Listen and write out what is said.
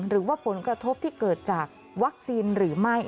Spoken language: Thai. หรือว่าผลกระทบที่เกิดจากวัคซีนหรือไม่